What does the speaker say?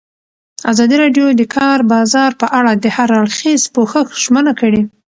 ازادي راډیو د د کار بازار په اړه د هر اړخیز پوښښ ژمنه کړې.